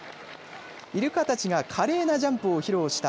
イルカたちが華麗なジャンプを披露した